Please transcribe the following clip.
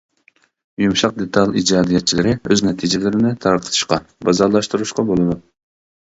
يۇمشاق دېتال ئىجادىيەتچىلىرى ئۆز نەتىجىلىرىنى تارقىتىشقا، بازارلاشتۇرۇشقا بولىدۇ.